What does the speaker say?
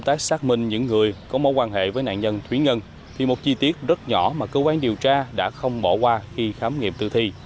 trên những người có mối quan hệ với nạn nhân thúy ngân thì một chi tiết rất nhỏ mà cơ quan điều tra đã không bỏ qua khi khám nghiệm tự thi